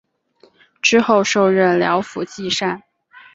之后授任辽府纪善。